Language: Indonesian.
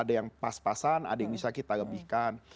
ada yang pas pasan ada yang bisa kita lebihkan